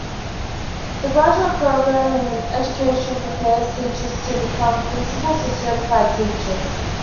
The graduate program in education prepares teachers to become principals or certified teachers.